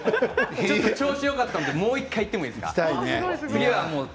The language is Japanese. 調子よくしたいので、もう１回やっていいですか。